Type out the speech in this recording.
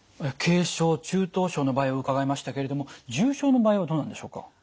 軽症中等症の場合を伺いましたけれども重症の場合はどうなんでしょうか？